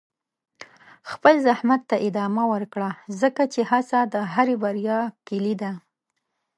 خپل زحمت ته ادامه ورکړه، ځکه چې هڅه د هرې بریا کلي ده.